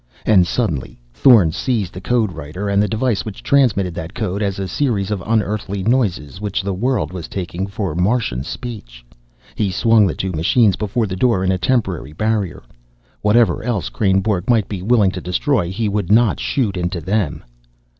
And suddenly Thorn seized the code writer and the device which transmitted that code as a series of unearthly noises which the world was taking for Martian speech. He swung the two machines before the door in a temporary barrier. Whatever else Kreynborg might be willing to destroy, he would not shoot into them!